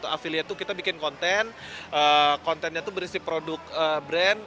afilia itu kita bikin konten kontennya itu berisi produk brand